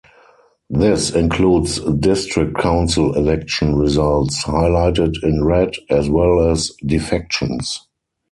This includes district council election results, highlighted in red, as well as defections.